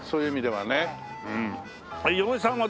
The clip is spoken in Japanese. はい。